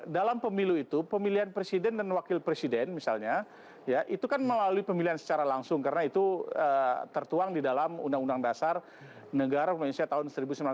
dalam pemilu itu pemilihan presiden dan wakil presiden misalnya ya itu kan melalui pemilihan secara langsung karena itu tertuang di dalam undang undang dasar negara tahun seribu sembilan ratus empat puluh lima